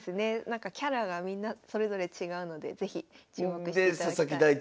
なんかキャラがみんなそれぞれ違うので是非注目していただきたい。